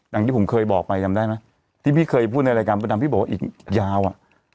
อย่างที่ผมเคยบอกไปจำได้ไหมที่พี่เคยพูดในรายการประดำพี่บอกว่าอีกยาวอ่ะ